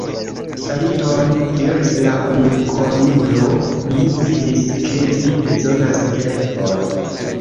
Saluton, diris la unukornulo, mi vidis ke vi bezonas helpon.